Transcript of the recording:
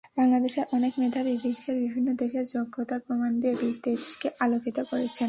বাংলাদেশের অনেক মেধাবী বিশ্বের বিভিন্ন দেশে যোগ্যতার প্রমাণ দিয়ে দেশকে আলোকিত করেছেন।